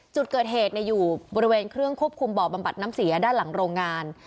จุดเกิดเหตุอยู่บริเวณเครื่องควบคุมบ่อบำบัดน้ำเสียด้านหลังโรงงาน